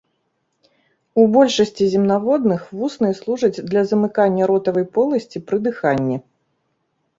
У большасці земнаводных вусны служаць для замыкання ротавай поласці пры дыханні.